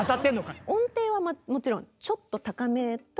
音程はもちろんちょっと高めと。